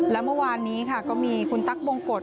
และเมื่อวานนี้ค่ะก็มีคุณตั๊กบงกฎ